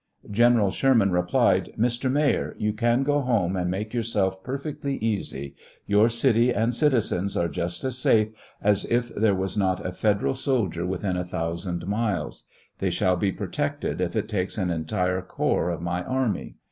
Gen eral Sherman replied :" Mr. MayorJ you can go home and make yourself perfectly easy ; your city and citi zens are just as safe as if there was not a Federal sol dier within a thousand miles. ^They shall be protected, if it takes an entire corps of my army.